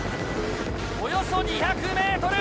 およそ２００ｍ！